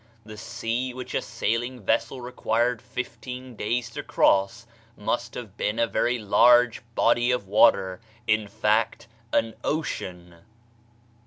The sea which a sailing vessel required fifteen days to cross must have been a very large body of water; in fact, an ocean.